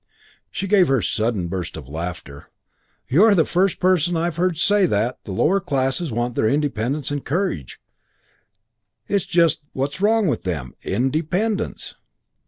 She gave her sudden burst of laughter. "You're the first person I've ever heard say that the lower classes want their independence encouraged. It's just what's wrong with them independence."